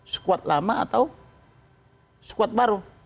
squad lama atau squad baru